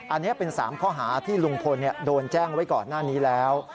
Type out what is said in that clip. อันนี้เป็น๓ข้อหาที่ลุงพลโดนแจ้งไว้ก่อนหน้านี้แล้ว